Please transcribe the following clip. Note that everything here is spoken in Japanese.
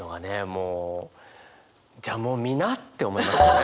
もうじゃあもう見なって思いますよね。